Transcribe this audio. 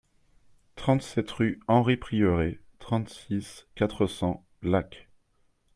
trente-sept rue Henri Prieuré, trente-six, quatre cents, Lacs